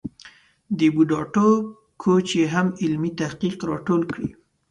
د بوډاتوب کوچ یې هم علمي تحقیق را ټول کړی.